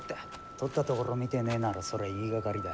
とったところを見てねえならそれは言いがかりだ。